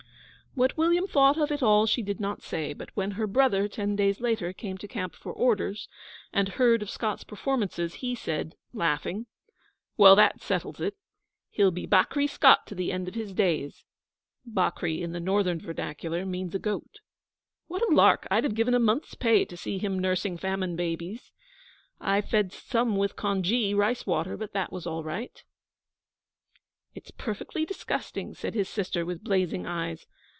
What William thought of it all she did not say, but when her brother, ten days later, came to camp for orders, and heard of Scott's performances, he said, laughing: 'Well, that settles it. He'll be Bakri Scott to the end of his days' (Bakri, in the northern vernacular, means a goat). 'What a lark! I'd have given a month's pay to have seen him nursing famine babies. I fed some with conjee [rice water], but that was all right.' 'It's perfectly disgusting,' said his sister, with blazing eyes.